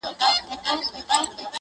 پر بل مخ سوه هنګامه په یوه آن کي؛